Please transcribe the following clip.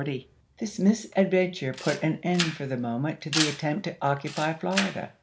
This misadventure put an end for the moment to the attempt to occupy Florida.